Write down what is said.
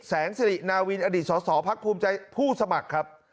แสงสิรินาวินอดีตสอสอพักภูมิใจผู้สมัครครับ